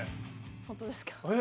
本当ですか？